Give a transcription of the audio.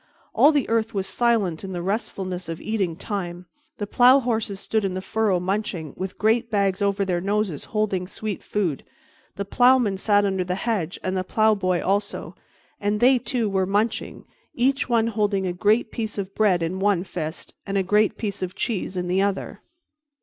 All the earth was silent in the restfulness of eating time; the plowhorses stood in the furrow munching, with great bags over their noses holding sweet food, the plowman sat under the hedge and the plowboy also, and they, too, were munching, each one holding a great piece of bread in one fist and a great piece of cheese in the other.